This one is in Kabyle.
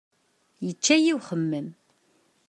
Yečča-yi uxemmem.